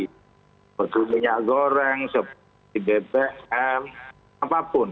betul betul minyak goreng seperti bpm apapun